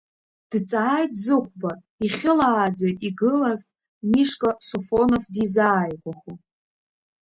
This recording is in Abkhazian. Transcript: Дҵааит Зыхәба, ихьылааӡа игылаз Мишка Софонов дизааигәахо.